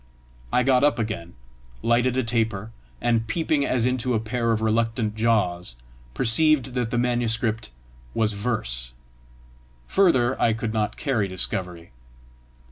I got up again, lighted a taper, and peeping as into a pair of reluctant jaws, perceived that the manuscript was verse. Further I could not carry discovery.